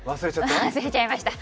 忘れちゃいました。